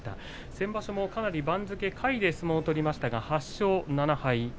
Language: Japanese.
先場所もかなり番付下位で相撲を取りましたが８勝７敗。